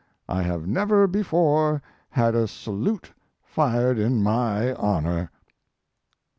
I have never before had a salute fired in my honor."